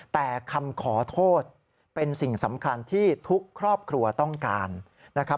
แต่คำขอโทษเป็นสิ่งสำคัญที่ทุกครอบครัวต้องการนะครับ